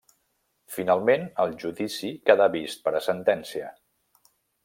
Finalment el judici quedà vist per a sentència.